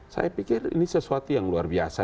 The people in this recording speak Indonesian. saya pikir ini sesuatu yang luar biasa